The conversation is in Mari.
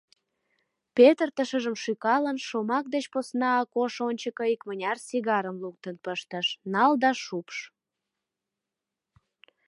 Петыртышыжым шӱкалын, шомак деч посна Акош ончыко икмыняр сигарым луктын пыштыш; нал да шупш.